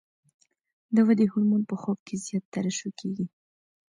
د ودې هورمون په خوب کې زیات ترشح کېږي.